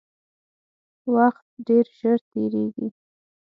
وخت ډیر ژر تیریږي